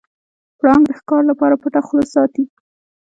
پړانګ د ښکار لپاره پټه خوله ساتي.